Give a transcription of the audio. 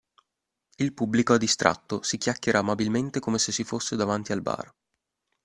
Il pubblico è distratto, si chiacchiera amabilmente come se si fosse davanti al bar.